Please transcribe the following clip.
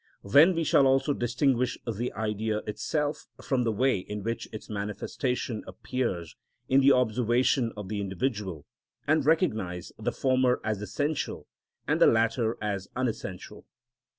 Then we shall also distinguish the Idea itself from the way in which its manifestation appears in the observation of the individual, and recognise the former as essential and the latter as unessential.